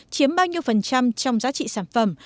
chiếm bao nhiêu phần trăm trong giá trị sản phẩm